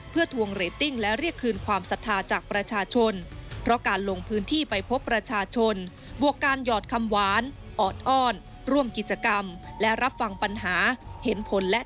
เพื่อทวงเรตติ้งและเรียกคืนความสัทธาจากประชาชน